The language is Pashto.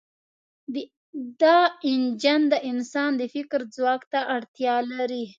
دا انجن د انسان د فکر ځواک ته اړتیا لري.